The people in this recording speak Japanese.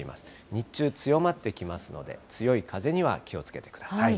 日中、強まってきますので、強い風には気をつけてください。